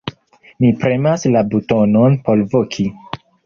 Mi premas la butonon por voki.